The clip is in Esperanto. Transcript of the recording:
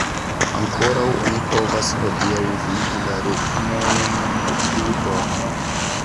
Ankoraŭ oni povas hodiaŭ vidi la ruinojn de tiu domo.